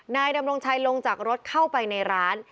นายดำรงชัยลงจากรถเข้าไปในร้าน